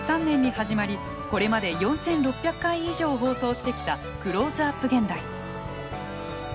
１９９３年に始まりこれまで４，６００回以上放送してきた「クローズアップ現代」。